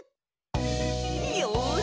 よし！